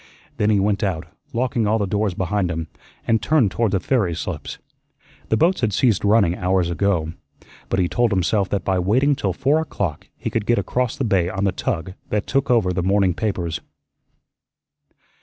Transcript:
Then he went out, locking all the doors behind him, and turned toward the ferry slips. The boats had ceased running hours ago, but he told himself that by waiting till four o'clock he could get across the bay on the tug that took over the morning papers.